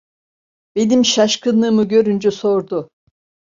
Benim şaşkınlığımı görünce sordu.